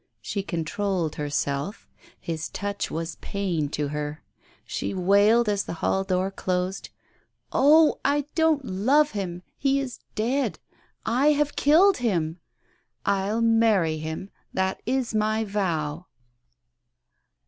She controlled herself. His touch was pain to her. She wailed, as the hall door closed — "Oh, I don't love him ! He is dead. I have killed him ! Til marry him, that is my vow